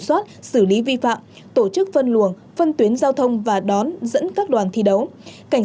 soát xử lý vi phạm tổ chức phân luồng phân tuyến giao thông và đón dẫn các đoàn thi đấu cảnh